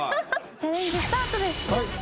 チャレンジスタートです。